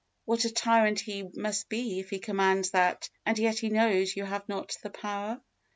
What a tyrant He must be if He commands that, and yet He knows you have not the power!